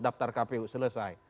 daptar kpu selesai